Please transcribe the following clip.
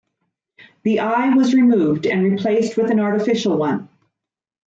The eye was removed and replaced with an artificial one.